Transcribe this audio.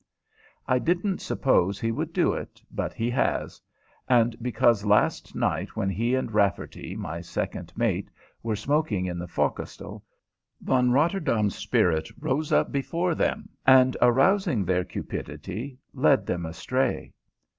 I didn't suppose he would do it, but he has; and because last night while he and Rafferty, my second mate, were smoking in the forecastle, Von Rotterdaam's spirit rose up before them, and, arousing their cupidity, led them astray.